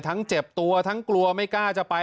เจ็บตัวทั้งกลัวไม่กล้าจะไป